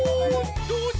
どうぞ。